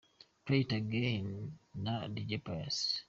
Play it again na Dj Pius.